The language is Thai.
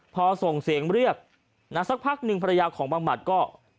พอส่งเสียงเรียกนะสักพักหนึ่งภรรยาของบังหมัดก็